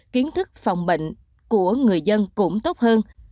kiến thức phòng bệnh của người dân cũng tốt hơn